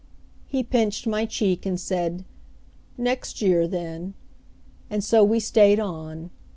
He pinched my cheek, and said: "Next year, then;" and so we stayed on.